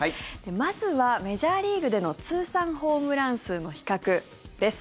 まずは、メジャーリーグでの通算ホームラン数の比較です。